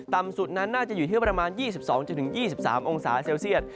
ต่ำสุดนั้นน่าจะอยู่ที่ประมาณ๒๒๒๓องศาเซลเซียต